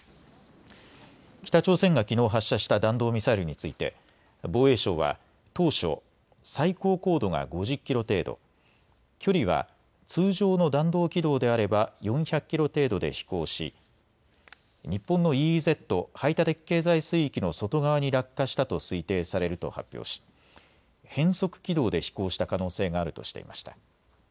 北朝鮮がきのう発射した弾道ミサイルについて防衛省は当初、最高高度が５０キロ程度、距離は通常の弾道軌道であれば４００キロ程度で飛行し、日本のＥＥＺ・排他的経済水域の外側に落下したと推定されると発表し変則軌道で飛行した可能性があるとしていました。